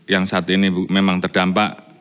yang saat ini memang terdampak